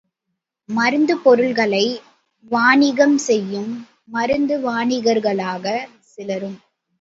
மருந்துப் பொருள்களை வாணிகம் செய்யும் மருந்து வாணிகர்களாகச் சிலரும்.